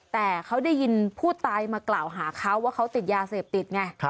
แต่เขาได้ยินผู้ตายมากล่าวหาเขาว่าเขาติดยาเสพติดไง